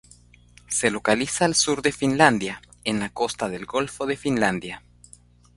Se localiza al sur de Finlandia, en la costa del golfo de Finlandia.